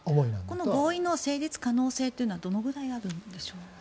この合意の成立可能性というのはどのくらいあるんでしょうか。